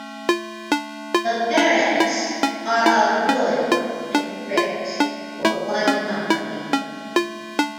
The barracks are of wood and bricks, for one company.